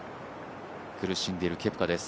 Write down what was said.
苦しんでいるケプカです。